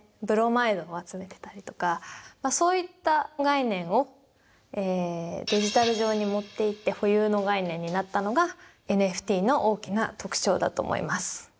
ブロマイドを集めてたりとかそういった概念をデジタル上に持っていって保有の概念になったのがＮＦＴの大きな特徴だと思います。